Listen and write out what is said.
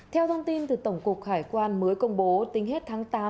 theo thông tin từ tổng cục hải quan mới công bố tính hết tháng tám